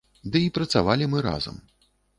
Ды і працавалі мы разам.